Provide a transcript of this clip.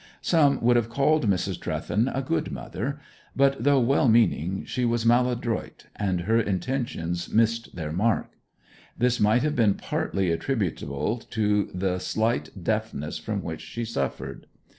Some would have called Mrs. Trewthen a good mother; but though well meaning she was maladroit, and her intentions missed their mark. This might have been partly attributable to the slight deafness from which she suffered.